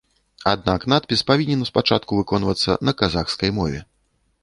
Аднак надпіс павінен спачатку выконвацца на казахскай мове.